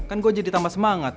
kan gue jadi tambah semangat